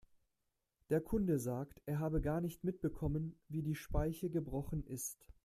Der Kunde sagt, er habe gar nicht mitbekommen, wie die Speiche gebrochen ist.